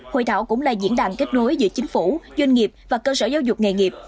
hội thảo cũng là diễn đàn kết nối giữa chính phủ doanh nghiệp và cơ sở giáo dục nghề nghiệp